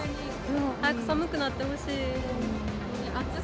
早く寒くなってほしい。